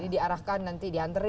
jadi diarahkan nanti diantri